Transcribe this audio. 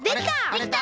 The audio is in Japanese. できた！